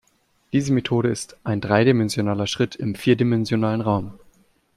Diese Methode ist ein dreidimensionaler Schritt im vierdimensionalen Raum.